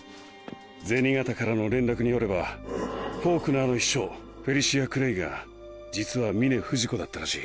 銭形からの連絡によればフォークナーの秘書フェリシア・クレイが実は峰不二子だったらしい。